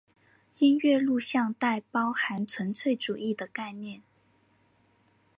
音乐录像带包含纯粹主义的概念。